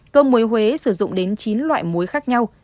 cơm muối huế sử dụng đến chín loại muối khác nhau